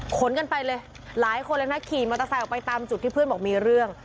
ขนกันไปเลยหลายคนเลยนะขี่มอเตอร์ไซค์ออกไปตามจุดที่เพื่อนบอกมีเรื่อง